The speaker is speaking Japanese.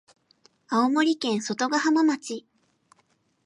青森県外ヶ浜町